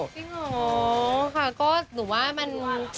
จริงเหรอค่ะก็หนูว่ามัน